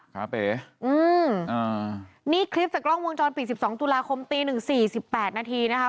ครับเป๋อืมอ่านี่คลิปจากกล้องวงจรปิดสิบสองตุลาคมตีหนึ่งสี่สิบแปดนาทีนะคะ